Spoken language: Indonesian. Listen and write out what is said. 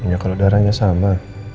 ya kalau darahnya sama